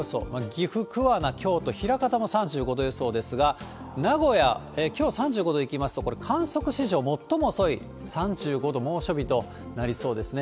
岐阜、桑名、京都、枚方も３５度予想ですが、名古屋、きょうは３５度いきますと、これ、観測史上最も遅い３５度、猛暑日となりそうですね。